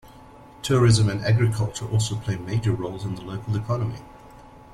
Tourism and agriculture also play major roles in the local economy.